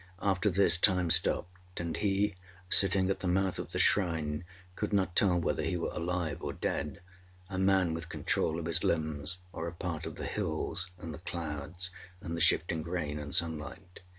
After this, time stopped, and he, sitting at the mouth of the shrine, could not tell whether he were alive or dead; a man with control of his limbs, or a part of the hills, and the clouds, and the shifting rain and sunlight.